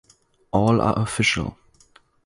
All are official.